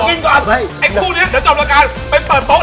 ไปเปิดโป๊ะร้านเดิมกินกันเลยนะครับ